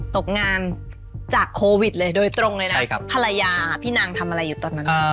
ตกงานจากโควิดเลยโดยตรงเลยนะภรรยาพี่นางทำอะไรอยู่ตอนนั้น